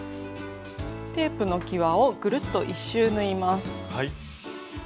テープのきわをぐるっと１周縫います。